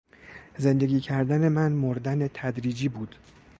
زندگی کردن من مردن تدریجی بود...